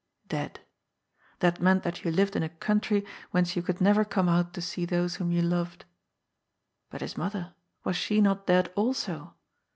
Dead. That meant that you lived in a country whence you could never come out to see those whom you loved. But his mother, was she not dead also